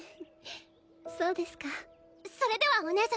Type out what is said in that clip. そうですかそれではお姉様